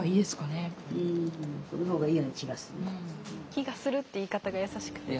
「気がする」って言い方が優しくて好き。